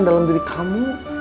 dalam diri kamu